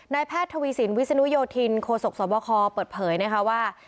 แพทย์ทวีสินวิศนุโยธินโคศกสวบคเปิดเผยนะคะว่า